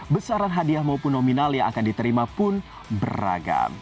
besaran hadiah maupun nominal yang akan diterima pun beragam